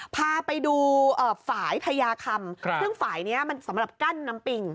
พาไปดูเอ่อฝ่ายพญาคำครับเพราะฝ่ายเนี้ยมันสำหรับกั้นน้ำปิง